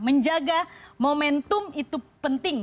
menjaga momentum itu penting